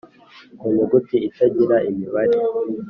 Ku nyuguti itangira imibare